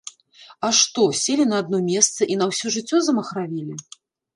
А што, селі на адно месца і на ўсё жыццё замахравелі?